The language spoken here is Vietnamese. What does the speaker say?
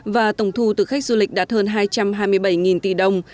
và tổng thu từ khách du lịch đạt hơn hai trăm hai mươi bảy tỷ đồng